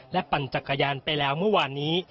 ปั่นจักรยานไปแล้วเมื่อวานนี้